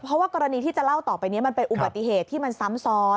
เพราะว่ากรณีที่จะเล่าต่อไปนี้มันเป็นอุบัติเหตุที่มันซ้ำซ้อน